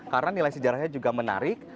karena nilai sejarahnya juga menarik